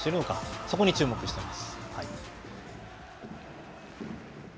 そこに注目したいです。